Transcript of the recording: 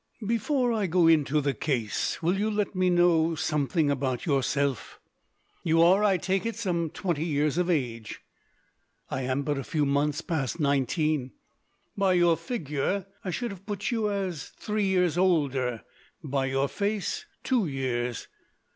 "Before I go into the case, will you let me know something about yourself? You are, I take it, some twenty years of age?" "I am but a few months past nineteen." "By your figure, I should have put you as three years older; by your face, two years.